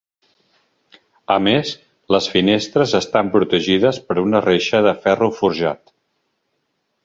A més, les finestres estan protegides per una reixa de ferro forjat.